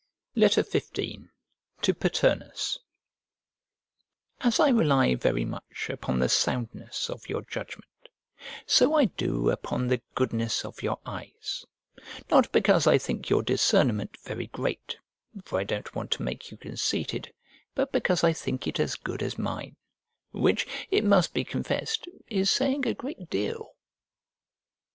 Farewell. XV To PATERNUS As I rely very much upon the soundness of your judgment, so I do upon the goodness of your eyes: not because I think your discernment very great (for I don't want to make you conceited), but because I think it as good as mine: which, it must be confessed, is saying a great deal.